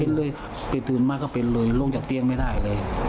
เป็นเลยตื่นมาก็เป็นเลยลงจากเตียงไม่ได้เลย